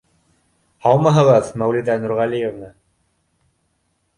— Һаумыһығыҙ, Мәүлиҙә Нурғәлиевна!